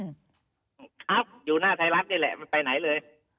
ครับอยู่หน้าทหารักษ์นี่แหละไปไหนเลย